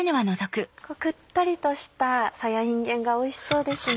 くったりとしたさやいんげんがおいしそうですね。